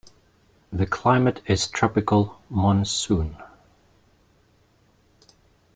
The climate is tropical monsoon.